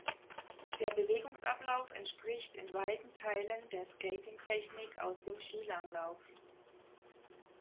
Der Bewegungsablauf entspricht in weiten Teilen der Skating-Technik aus dem Skilanglauf.